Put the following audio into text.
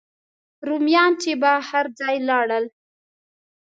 رومیان چې به هر ځای لاړل.